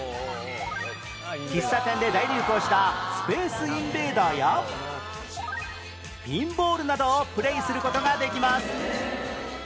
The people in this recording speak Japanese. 喫茶店で大流行した『スペースインベーダー』やピンボールなどをプレイする事ができます